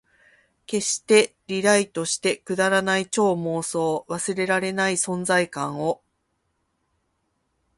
消して、リライトして、くだらない超幻想、忘れらない存在感を